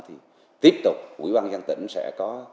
thì tiếp tục quỹ ban dân tỉnh sẽ có